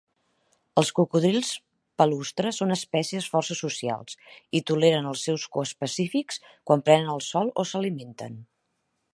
Els cocodrils palustre són espècies força socials i toleren els seus coespecífics quan prenen el sol o s'alimenten.